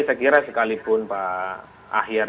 saya kira sekalipun pak akhir